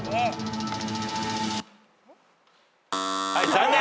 残念。